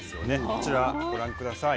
こちらご覧下さい。